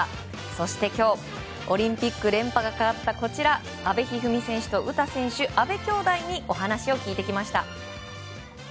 そして今日オリンピック連覇がかかった阿部一二三選手と詩選手阿部兄妹にお話を聞いてきました。